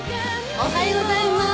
おはようございます。